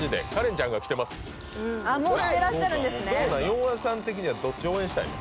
ヨンアさん的にはどっち応援したいの？